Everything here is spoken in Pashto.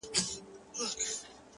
بدل کړيدی-